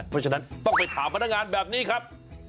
เพราะฉะนั้นต้องไปถามพนักงานแบบนี้ครับ